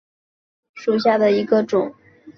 南亚柏拉木为野牡丹科柏拉木属下的一个种。